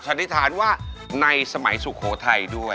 สันนิษฐานว่าในสมัยสุโขทัยด้วย